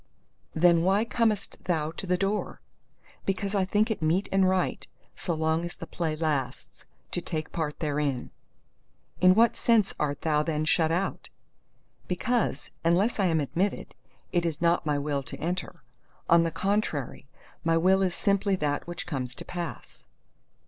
"Then why comest thou to the door?" Because I think it meet and right, so long as the Play lasts, to take part therein. "In what sense art thou then shut out?" Because, unless I am admitted, it is not my will to enter: on the contrary, my will is simply that which comes to pass.